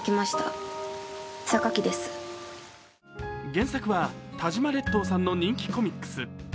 原作は田島列島さんの人気コミックス。